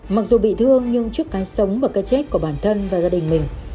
mặc dù bị thương nhưng trước cái sống và cái chết của bản thân và gia đình mình